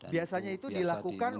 biasanya itu dilakukan